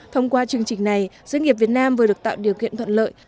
thông qua chương trình này doanh nghiệp việt nam vừa được tạo điều kiện thuận lợi